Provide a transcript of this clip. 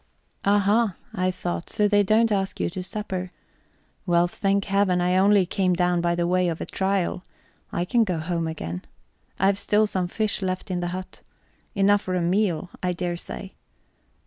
Aha, I thought, so they don't ask you to supper. Well, thank Heaven, I only came down by way of a trial; I can go home again I've still some fish left in the hut. Enough for a meal, I daresay.